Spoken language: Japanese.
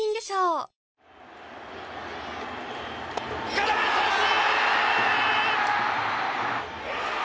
空振り三振！